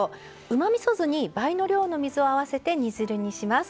うまみそ酢に倍の量の水を合わせて煮汁にします。